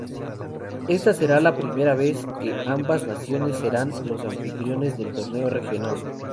Esta será la primera vez que ambas naciones serán los anfitriones del torneo regional.